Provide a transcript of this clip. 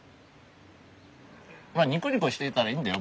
まあニコニコしていたらいいんだよ。